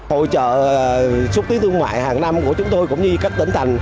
hội trợ xuất tiến thương mại hàng năm của chúng tôi cũng như các tỉnh thành